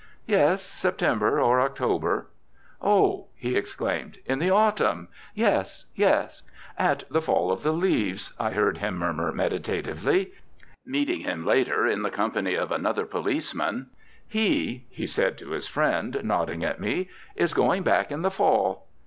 "Yes, September or October." "Oh!" he exclaimed, "in the autumn, yes, yes. At the fall of the leaves," I heard him murmur meditatively. Meeting him later in the company of another policeman, "He," he said to his friend, nodding at me, "is going back in the fall."